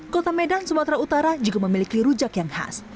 kota medan sumatera utara juga memiliki rujak yang khas